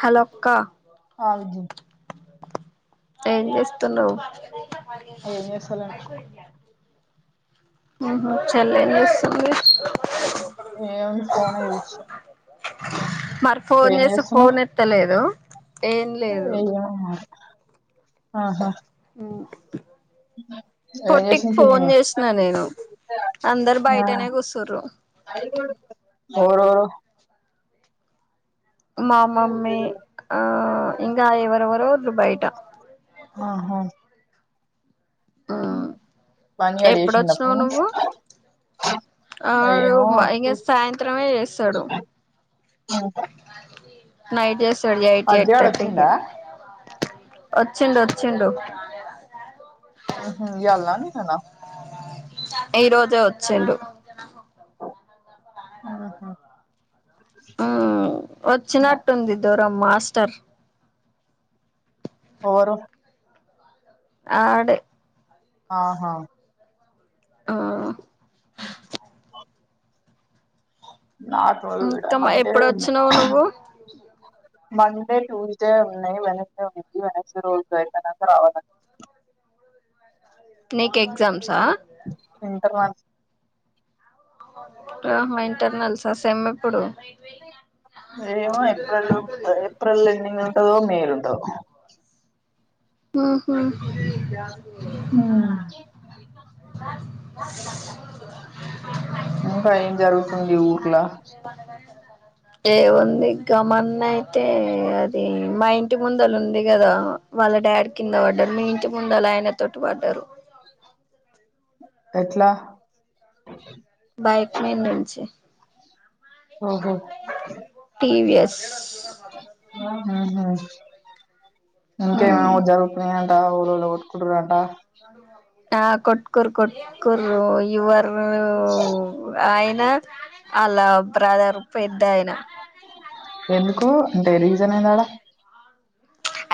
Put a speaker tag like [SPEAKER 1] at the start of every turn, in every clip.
[SPEAKER 1] Hollow అక్క
[SPEAKER 2] ఆ విజి
[SPEAKER 1] ఏం చేస్తున్నావు
[SPEAKER 2] ఏం చేస్తలేను
[SPEAKER 1] అయిపోయినాయ ఉహు చెల్లి ఏం చేస్తుంది
[SPEAKER 2] ఏముంది ఫోనే చూస్తున
[SPEAKER 1] మరి ఫోన్
[SPEAKER 2] ఏం
[SPEAKER 1] చేస్తే ఫోన్
[SPEAKER 2] చేస్తున్నావు
[SPEAKER 1] ఎత్తలేదు ఏం లేదు
[SPEAKER 2] ఆహా
[SPEAKER 1] ఉమ్
[SPEAKER 2] ఏం
[SPEAKER 1] పొట్టికి
[SPEAKER 2] చేస్తుంది
[SPEAKER 1] ఫోన్
[SPEAKER 2] పిన్ని
[SPEAKER 1] చేసిన నేను అందరు
[SPEAKER 2] ఆ
[SPEAKER 1] బయటనే కూచురు
[SPEAKER 2] ఎవరు
[SPEAKER 1] మా మమ్మీ ఆ ఇంగ ఎవ్వవరెవరో ఉండ్రు బయట
[SPEAKER 2] ఆహా ఫణి గాడు చేసిండా
[SPEAKER 1] ఎప్పుడొచ్చినావు
[SPEAKER 2] ఫోన్
[SPEAKER 1] నువ్వు ఆడు
[SPEAKER 2] ఏమో
[SPEAKER 1] ఇంక
[SPEAKER 2] ఉ
[SPEAKER 1] సాయంత్రమే చేస్తాడు నైట్ ఏస్ ట్వెల్వ్ ఎయిట్ కి ఎయిట్ థర్టీ కి వచ్చిండు వచ్చిండు
[SPEAKER 2] ఉహు ఇయ్యలన నిన్నన
[SPEAKER 1] ఈ రోజే వచ్చిండు
[SPEAKER 2] ఆహా
[SPEAKER 1] హ వచ్చినట్టుంది దూరం మాస్టర్
[SPEAKER 2] ఏవరు
[SPEAKER 1] ఆడే
[SPEAKER 2] ఆహా
[SPEAKER 1] ఆ
[SPEAKER 2] అ ఈడ
[SPEAKER 1] ఇంకా మా
[SPEAKER 2] మండే
[SPEAKER 1] ఎప్పుడు
[SPEAKER 2] ఉంది
[SPEAKER 1] వచ్చినావు నువ్వు
[SPEAKER 2] మండే ట్యూస్డే ఉన్నాయి వెనస్డే ఉంది వెనస్డే రోజుగా అయిపోయినాక రావాల
[SPEAKER 1] నికి ఎగ్జామ్ స
[SPEAKER 2] ఎంత మత్
[SPEAKER 1] ఆ మా ఇంటర్ నల్సా సమ్ ఏప్పుడు
[SPEAKER 2] ఏమో ఏప్రిల్ లో ఉంటది ఏప్రిల్ ఎండింగ్ లో అదో మేరుందో
[SPEAKER 1] ఉహు
[SPEAKER 2] ఆ ఇంకా ఎమ్ జరుగుతుంది ఊర్లా
[SPEAKER 1] ఏముంది గమన్న అయితే అది మా ఇంటి ముందల ఉంది కదా వాళ్ళకి డాడ్ కింద పడ్డారు మీ ఇంటి ముందు అలా ఆయన తోటి పడ్డారు
[SPEAKER 2] ఎట్లా
[SPEAKER 1] బైక్ మీన్ నుంచి
[SPEAKER 2] ఓహో
[SPEAKER 1] టీవిఎస్
[SPEAKER 2] ఆ ఆహా ఇంకా ఏమో ఏమో
[SPEAKER 1] ఉమ్
[SPEAKER 2] జరుగుతున్నాయంట అవురోళ్లు కొట్టుకోటున్ రంట
[SPEAKER 1] ఆ కొట్ కుకురు కుకురు యూవరు ఆయన అలా బ్రదర్ పెద్ద ఆయన
[SPEAKER 2] ఎందుకు అంటే రీసన్ ఏది అడా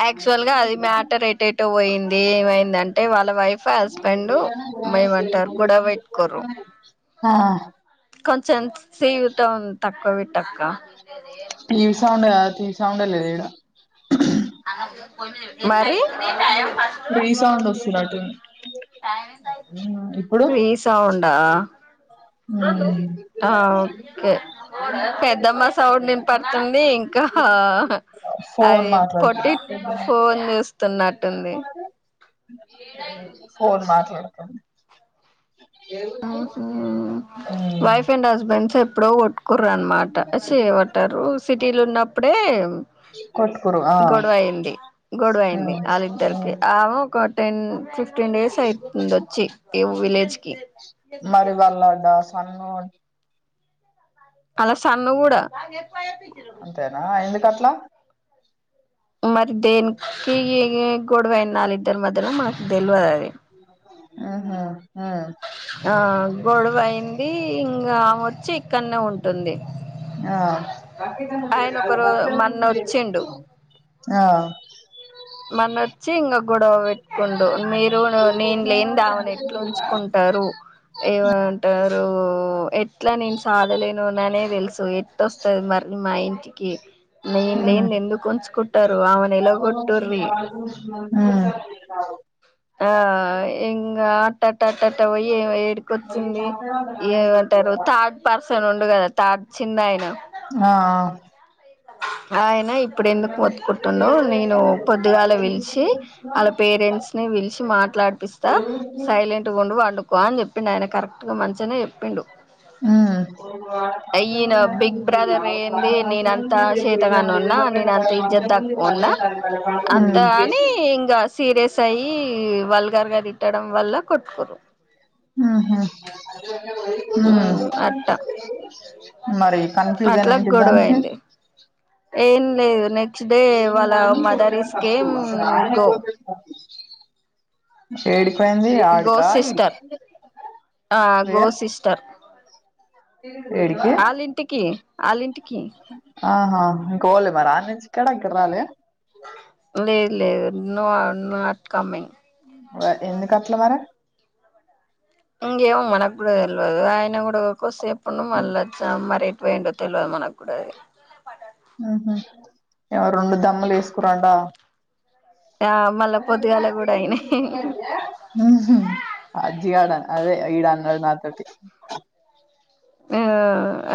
[SPEAKER 1] యాక్చువల్ గా అది మ్యాటర్ ఎటెటో పోయింది ఇది ఏమైంది అంటే వాళ్ళ వైఫ్ హస్బెండ్ ఏమంటారు గొడవ పెట్టుకోర్రు
[SPEAKER 2] ఆ
[SPEAKER 1] కొంచెం త్ సివి థౌండ్ తక్కువ వెట్ టక్క
[SPEAKER 2] టీవీ సౌండ్ కాద్ టీవీ సౌండే లేద్ ఇడా
[SPEAKER 1] మరి
[SPEAKER 2] రీసౌండ్ వస్తునట్టుంది
[SPEAKER 1] రీసౌండ్ ఆ ఆ ఓకే పెద్దమ్మ సౌండ్ ఇన్పడుతుంది ఇంకా
[SPEAKER 2] ఫోన్
[SPEAKER 1] అది
[SPEAKER 2] మాట్లాడుతు
[SPEAKER 1] పోట్టి ఫోన్ చూస్తున్నట్
[SPEAKER 2] అ ఫోన్ మాట్లాడతుంది
[SPEAKER 1] మ్మహ్ వైఫ్ అండ్ హస్బెండ్ స ఎప్పుడో కోట్ కుర్ అన్నమాట చేపట్టారు సిటీలు ఉన్నప్పుడే
[SPEAKER 2] కొట్టుకురు ఆ
[SPEAKER 1] గొడవ అయింది గొడవయింది ఆలిద్దరికి ఆమ ఒక టెన్ ఫిఫ్టీన్ డేస్ అవుతుంది వచ్చి ఈ విలేజ్ కి
[SPEAKER 2] మరి వాళ్ళ డా సన్ను
[SPEAKER 1] అలా సన్ను కూడ
[SPEAKER 2] అంతేనా ఎందుకు అట్ ట్లా
[SPEAKER 1] మరి దేనికీ గొడవైంది ఆలిద్దరి మధ్యల మనకు తెలివదది
[SPEAKER 2] ఆహా
[SPEAKER 1] ఆ గొడవ అయింది ఇంగా అమచ్ చి ఇక్కనే ఉంటుంది
[SPEAKER 2] ఆ
[SPEAKER 1] ఆయన ఒక రో మొన్న
[SPEAKER 2] ఆ
[SPEAKER 1] మనొచ్చి ఇంగ గొడవ పెట్టుకుండు మీరు నేను లేనిదామేని ఎట్లు ఉంచుకుంటారు ఏమంటరు రూ ఎట్ ఇట్లా నేను సాధలేనొననే తెలుసు ఎట్టొస్తది మరి మా ఇంటికి నేను లేనిది ఎందుకు ఉంచుకుంటారు ఆమెన్ ఎలగొట్
[SPEAKER 2] అ హ్
[SPEAKER 1] ఆ ఇంగా ఆట్టట్ట పోయ్యి వేడికొచ్చింది ఏమంటారు థర్డ్ పర్సన్ ఉండు కదా థర్డ్ చిన్న ఆయన అయన ఇప్ ప్పుడు ఎందుకు మొత్తుకుంటున్నావు. నేను పొద్దుగాల పిలిచి వాళ్ళ పేరెంట్స్ ని పిలిచి మాట్లాడిపిస్తా సైలెంట్గా ఉండు. వండు పో అని చెప్పిండు ఆయన కరెక్ట్ గా మంచిగానే చెప్పిండు. ఈయన నేను
[SPEAKER 2] హు
[SPEAKER 1] చేతగానోన్న నేను అంత ఇజ్జత్ తక్కువోన్నా
[SPEAKER 2] ఉమ్
[SPEAKER 1] అంత అని
[SPEAKER 2] ఉమ్
[SPEAKER 1] ఇంగ సీరియస్ అయ్యి ఈ వల్గర్ గా తిట్టడం వల్ల కొట్టుకుర్రు
[SPEAKER 2] హు హ్
[SPEAKER 1] ఉమ్
[SPEAKER 2] హు
[SPEAKER 1] అట్ట
[SPEAKER 2] మరి కాంక్లూజన్
[SPEAKER 1] అట్లా
[SPEAKER 2] ఏంటి దానికి
[SPEAKER 1] గొడవైంది ఏం లేదు నెట్ గో
[SPEAKER 2] [unintelligible] ఏడికిపోయింది
[SPEAKER 1] గో
[SPEAKER 2] ఆడీకా
[SPEAKER 1] సిస్టర్
[SPEAKER 2] ఇడీకా
[SPEAKER 1] ఆ
[SPEAKER 2] ఏ
[SPEAKER 1] గో సిస్టర్
[SPEAKER 2] ఏడికి
[SPEAKER 1] వాళ్ళ ఇంటి
[SPEAKER 2] ఆహా పోలే మరి ఆడి నుంచ్చి ఇక్కడ రాలె
[SPEAKER 1] లేదు లేదు నో నా నాట్ కమ్మింగ్
[SPEAKER 2] వ ఎందుకు అట్లా మరి
[SPEAKER 1] ఏమో మనకూడతెల్వదు ఆయన కూడా కోసేపు పున్ను మల్లా చ్చం మరి ఎట్ పోయిండ తెలువదు మనకూడ అది
[SPEAKER 2] ఏమో రెండు ద్దమ్ము లేసుకురంట
[SPEAKER 1] ఆ మళ్ళా పొద్దుగాల కూడా అయినాయి
[SPEAKER 2] హు హు అజ్జి గాడా అదే ఈడ అన్నడు నాతోటి
[SPEAKER 1] ఆ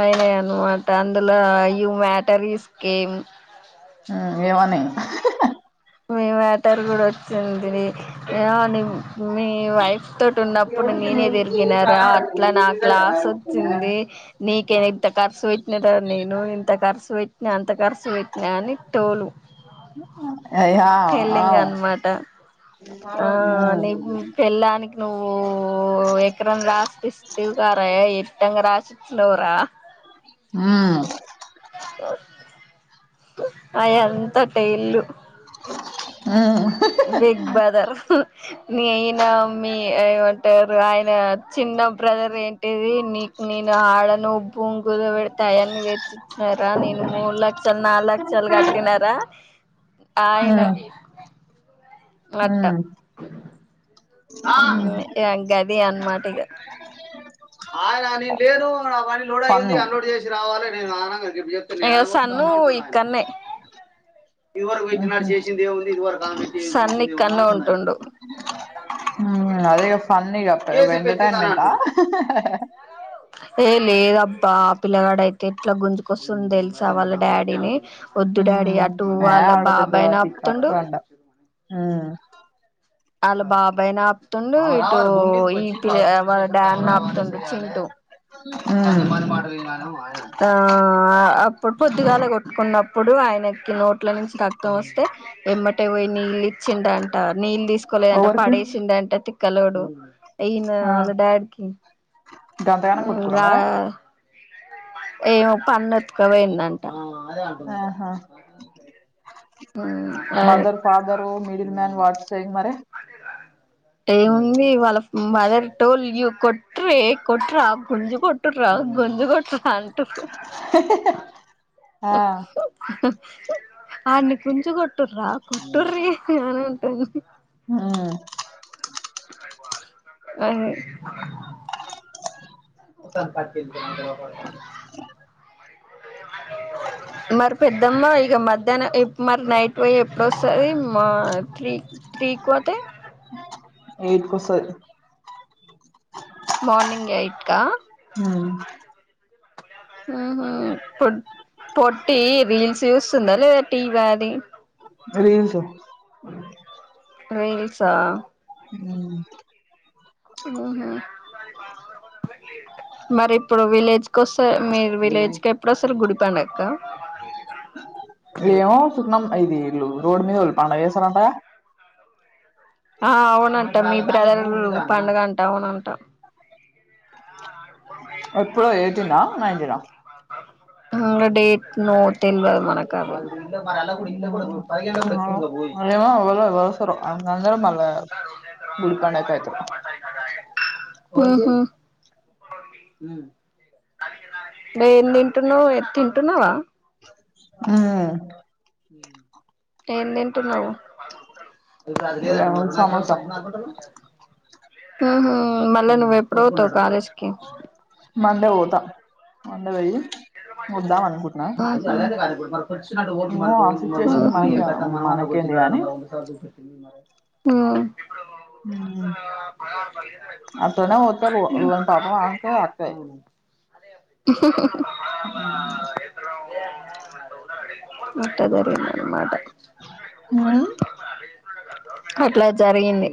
[SPEAKER 1] అయినాయి అన్నమాట అందులో you matter is came
[SPEAKER 2] um ఏమని
[SPEAKER 1] మీ మ్యాటర్ కూడా వో చ్చింది. యా నీ మీ వైఫ్ తోటి ఉన్నప్పుడు నేనే తిరిగినారా అట్లా నా క్లాస్ వోచ్చింది. నీ కె మే ఇంత ఖర్చు పెట్టినార నేను ఇంత ఖర్చు పెట్టినా అంత ఖర్చు వెట్టినా అని టో లు
[SPEAKER 2] అయ్యా ఆ
[SPEAKER 1] ఆ నీకు పెళ్ళానికి నువ్వు ఎకరం రాసిపిస్తివి కారా ఎట్టంగా రాసిచ్చిన్నవ్ రా
[SPEAKER 2] ఊ మ్
[SPEAKER 1] ఆ ఎంతట ఇల్లు
[SPEAKER 2] హు
[SPEAKER 1] బిగ్ బదర్ నేనా మీ ఏమంటార్ ఆయనా చిన్న బ్రదర్ ఏంటిది నీక్ నేను ఆడను భూమి కుదపెటీ ఆయన్ని తెచ్చి ఇచ్చినారా నేను మూడు లక్షలు నాలుగు లక్షలు కట్టినారా ఆయన అట్ట గది అన్మాటిగ
[SPEAKER 2] ఫన్ను
[SPEAKER 1] గిప్ జెప్ సన్ను ఇక్కనే ఇది వరకు సన్ ఇక్కనే ఉంటుండు
[SPEAKER 2] అదేగా ఫన్ ఇక ఒక ఎంటర్టైన్మెంటా
[SPEAKER 1] ఏ లేద బ్ పా పిల్లగాడైతే ఏట్లా గుంజుసున్ తెలుసా వాళ్ళ డాడీని వద్దు డాడీ అటు
[SPEAKER 2] ఏ
[SPEAKER 1] వాళ్ళ బాబై
[SPEAKER 2] ఆడపిద్దల
[SPEAKER 1] న్
[SPEAKER 2] తిక్క
[SPEAKER 1] ఆప్తుండు
[SPEAKER 2] రండ
[SPEAKER 1] ఆళ్ళ బాబైనప్తుండు ఓ ఈ పిల్ల ఆ వాళ్ల డాడ్ ఆప్తుండు చింటూ ఆ అప్పుడు పొద్దుగాల కొట్టుకున్నప్పుడు ఆయనకి నోట్ల నుంచి రక్తం వస్తే ఎమ్మట పోయి నీళ్ళు ఇచ్చింట నీళ్ తీస్ లేదంట
[SPEAKER 2] ఎవరికి
[SPEAKER 1] పడేసిండంట కలవడు ఏయినా అలా డాడ్కి
[SPEAKER 2] దంతగానం గోట్కుర మరే
[SPEAKER 1] ఏమో పన్నఎత్క్ పోయిందట
[SPEAKER 2] ఆహా
[SPEAKER 1] అదే
[SPEAKER 2] mother father middle man what's saying మరి
[SPEAKER 1] ఏముంది వాళ్ళ మదర్ టోల్ యూ [unintelligible] కొట్ర గుంజు కూటుర గుంజు కొట్రా అంటుంది
[SPEAKER 2] ఆ
[SPEAKER 1] ఆన్ని [unintelligible] కొట్టుర్రీ అని అంటుంది
[SPEAKER 2] మ్మ్
[SPEAKER 1] [unintelligible] [unintelligible] [inaudible] మరి పెద్దమ్మ ఇక మధ్యాహ్నం మరి నైట్ పోయి ఎప్పుడొస్తుంది మా త్రీ త్రీకి పోతే
[SPEAKER 2] ఏట్కోసారి
[SPEAKER 1] మార్నింగ్ ఎయిట్కా
[SPEAKER 2] ఆ
[SPEAKER 1] ప పొట్టి రీల్స్ చూస్తుందా లేదా టీవీ అది
[SPEAKER 2] రీల్స్
[SPEAKER 1] రైల్సా
[SPEAKER 2] ఉ
[SPEAKER 1] హ మరి ఇప్పుడు విలేజ్ క వస్త మీరు విలేజ్ క ఎప్పుడు వస్తారు గుడిపడుక్క
[SPEAKER 2] ఏమో సున్నాం ఐదు ఏళ్ళు రోడు మీద పండగ చేస్తరాంట
[SPEAKER 1] ఆ అవునంటా మీ బ్రదర్లు పండుగ అంట అవునంటా
[SPEAKER 2] ఎప్పుడో ఎయిటీనా నైన్టీనా
[SPEAKER 1] అ డేట్ నో తెలువదు మనక అవన్నీ
[SPEAKER 2] అమ వళ వసరు అ అంద్ర మళ్ళ గుడి పండకయతురు
[SPEAKER 1] ఎ తింటునవ్ ఎ తింటున్నావా
[SPEAKER 2] ఆ
[SPEAKER 1] ఏందింట అ చదిలేద అంటున్నారుకరా
[SPEAKER 2] సమోసా
[SPEAKER 1] ప నకుంట ఉమ్ ఉహ్ మల్ల నువు ఎప్పుడు పోతావ్ కాలేజ
[SPEAKER 2] మండే పోతా ఉంద భయి
[SPEAKER 1] ఊహూ
[SPEAKER 2] ఏమో ఆ సిచ్యువేషన్
[SPEAKER 1] ఉమ్
[SPEAKER 2] మనకి మనకేంది గాని
[SPEAKER 1] ఉహ్ ఉమ్
[SPEAKER 2] అప్పున్న తర్ పాప అక అక్క
[SPEAKER 1] అ మట్ట దరి మాట అట్లా సరింది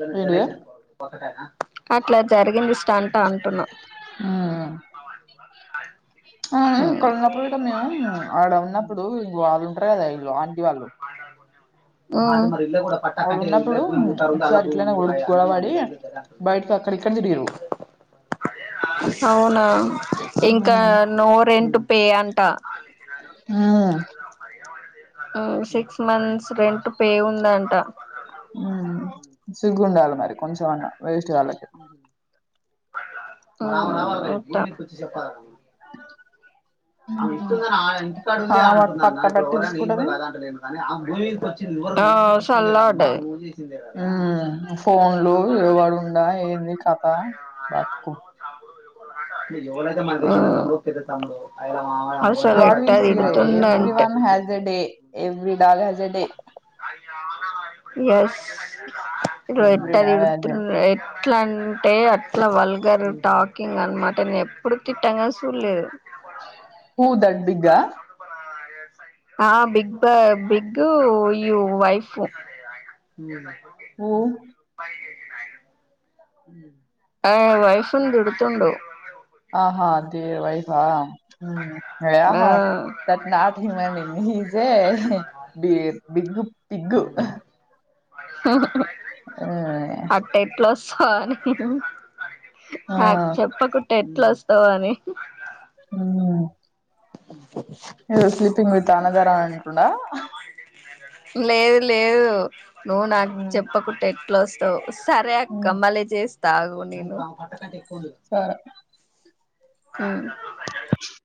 [SPEAKER 1] త
[SPEAKER 2] ఏంటిది
[SPEAKER 1] గణేష్ అనుకోవు అట్లా జరిగింది స్టాంట్
[SPEAKER 2] ఆ అవు ఇక్కడ ఉన్నప్పుడు కూడా మేము ఆడ ఉన్నప్పుడు వాళ కదా ఇ ఆంటి వాళ్ళు
[SPEAKER 1] ఓ
[SPEAKER 2] వాళ్ళు
[SPEAKER 1] పట్టంటే
[SPEAKER 2] ఉన్నప్పుడు
[SPEAKER 1] భూమి ఉంటారు అ
[SPEAKER 2] ఒకసారి ఇట్లనే
[SPEAKER 1] భూమి
[SPEAKER 2] గొడవపడి
[SPEAKER 1] ఉ
[SPEAKER 2] బయటకి అక్కడ ఇక్కడ తిరిగిరు
[SPEAKER 1] అవునా ఇంకా
[SPEAKER 2] ఉమ్
[SPEAKER 1] నో రెంట్ పే అంట ఆ సక్స్ మన్ రంట పే ఉందంట
[SPEAKER 2] సిగ్గు ఉండాలి మరి కొంచం అన్నా వేస్ట్ వాళ్ళకి
[SPEAKER 1] రా రావాలర్చ చెప్ప అమె ఇస్తుందని ఆ ఇంటికాడ ఉండే
[SPEAKER 2] ఆమె
[SPEAKER 1] అంటుంద
[SPEAKER 2] పట్ట
[SPEAKER 1] అన్న ఇప్పుడు
[SPEAKER 2] పట్టి
[SPEAKER 1] ఎవరైనా ఏం కూడా
[SPEAKER 2] ఇరుసుకుంటది
[SPEAKER 1] కాద అంటలేను కానీ ఆ భూమికి వచ్చి ఎవరు ఆ సల్ అంటే
[SPEAKER 2] ఫోన్లు ఎవడు ఉడా ఏంది కథ బధకు
[SPEAKER 1] ఎవన్నాతే మాది లోతే చలా
[SPEAKER 2] గడ్ విల్స్ీ రే ఎవీ
[SPEAKER 1] ఆడ
[SPEAKER 2] వన్ హెజ్ అ
[SPEAKER 1] చూపించిందే
[SPEAKER 2] డే
[SPEAKER 1] కదా
[SPEAKER 2] ఎవీ డల్ హజ్ అ డే
[SPEAKER 1] ఎస్ ఇ
[SPEAKER 2] ఎవ్రీ డాగ్ హ్యాస్
[SPEAKER 1] ఎట్టదిడుతు
[SPEAKER 2] ఎ డే
[SPEAKER 1] ఎట్లా అంటే అట్లా వాల్ గారు టాకకింగ్ అనమాటే ఎప్పుడు తిట్టాంగ సుదలేదు
[SPEAKER 2] ఊ దడ్దిగా
[SPEAKER 1] ఆ బిగ్ బిగ్య వైఫ క
[SPEAKER 2] హూ
[SPEAKER 1] బయ ఆ విష్ణు నీ తిడుతుంది
[SPEAKER 2] ఆహా అ వైఫా
[SPEAKER 1] ఆ
[SPEAKER 2] అహా తట్ నాట్ హి మైస్ బి బిగ్ పిగ్గు
[SPEAKER 1] అట్టేట్ల సని కత ఆ చెప్పకుంట ఎట్లా వస్తావ అని
[SPEAKER 2] ఏ స్లి తింగడు తన్నదర అంటుడా
[SPEAKER 1] లేదు లేదు నువ్వు నాకు చెప్పకుట్టే ఎల్టోస్టవ్ సారే అక్క మళ్ళీ చెస్ తాగు నీళ్లు మట్టకట్ట కొగా
[SPEAKER 2] సరే
[SPEAKER 1] మ్మ్